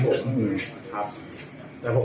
แต่ผมล่ะไม่ติดใจแบบว่าแฟนผมว่า